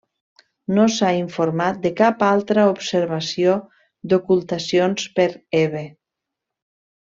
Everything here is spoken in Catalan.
No s'ha informat de cap altra observació d'ocultacions per Hebe.